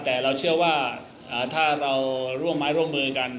แต่เราเชื่อว่าถ้าเราร่วมไม้ร่วมมือกัน